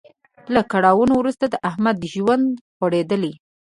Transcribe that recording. له کړاوونو وروسته د احمد ژوند غوړیدلی.